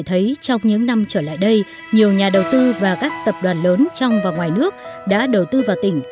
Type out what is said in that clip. thấy trong những năm trở lại đây nhiều nhà đầu tư và các tập đoàn lớn trong và ngoài nước đã đầu tư vào tỉnh